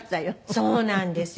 そうなんですよ。